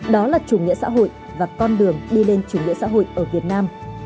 đó là chủ nghĩa xã hội và con đường đi lên chủ nghĩa xã hội ở việt nam